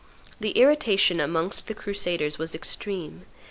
The irritation amongst the crusaders was extreme.